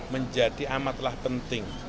menjadi amatlah penting